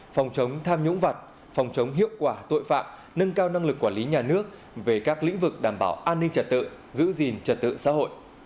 phòng chống tham nhũng vật phòng chống hiệu quả tội phạm nâng cao năng lực quản lý nhà nước về các lĩnh vực đảm bảo an ninh trật tự giữ gìn trật tự xã hội